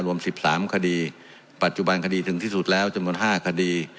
รวม๑๓คดีปัจจุบันคดีถึงที่สุดแล้วจำนวน๕คดี